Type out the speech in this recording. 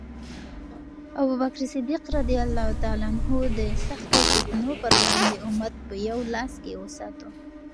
ابوبکر رض د سختو فتنو پر وړاندې امت په یو لاس کې وساته.